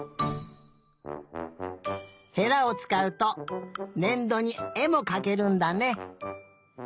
へらをつかうとねんどにえもかけるんだね。